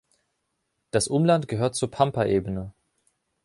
Das Umland gehört zur Pampa-Ebene.